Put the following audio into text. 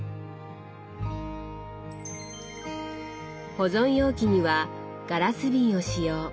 保存容器にはガラス瓶を使用。